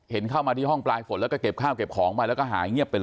เข้ามาที่ห้องปลายฝนแล้วก็เก็บข้าวเก็บของไปแล้วก็หายเงียบไปเลย